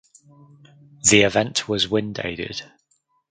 The event was wind aided.